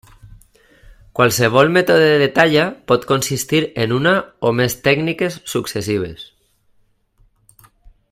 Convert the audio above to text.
Qualsevol mètode de talla pot consistir en una o més tècniques successives.